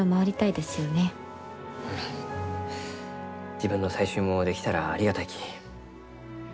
自分の採集もできたらありがたいき。